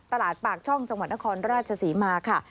ปากช่องจังหวัดนครราชศรีมาค่ะ